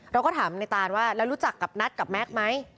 เราก็ถามในตานว่าแล้วรู้จักกับนัทกับแม็กซ์ไหม